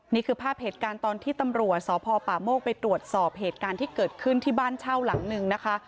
นี่คือภาพเหตุการณ์ตอนที่ตำรวจสพป่าโมกไปตรวจสอบเหตุการณ์ที่เกิดขึ้นที่บ้านเช่าหลังนึงนะคะ